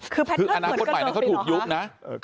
คืออนาคตใหม่เขาถูกยุบนะ